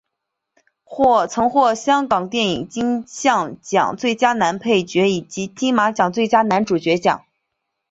曾获得香港电影金像奖最佳男配角以及金马奖最佳男主角奖。